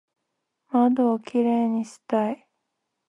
窓をキレイにしたい